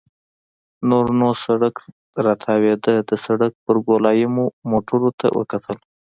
نور نو سړک راتاوېده، د سړک پر ګولایې مو موټرو ته وکتل.